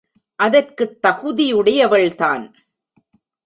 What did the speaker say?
அதற்குத் தகுதியுடையவள் தான்.